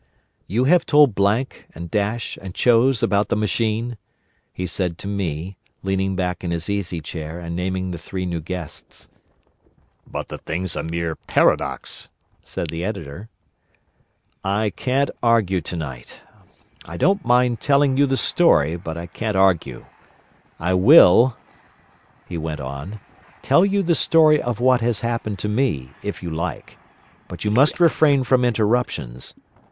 "You have told Blank, and Dash, and Chose about the machine?" he said to me, leaning back in his easy chair and naming the three new guests. "But the thing's a mere paradox," said the Editor. "I can't argue tonight. I don't mind telling you the story, but I can't argue. I will," he went on, "tell you the story of what has happened to me, if you like, but you must refrain from interruptions.